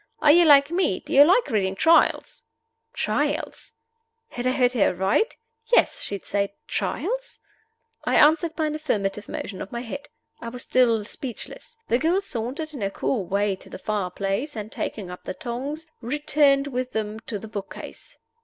Are you like me? Do you like reading Trials?" Trials? Had I heard her aright? Yes: she had said Trials. I answered by an affirmative motion of my head. I was still speechless. The girl sauntered in her cool way to the fire place, and, taking up the tongs, returned with them to the book case.